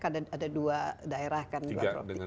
ada dua daerah kan tiga dengan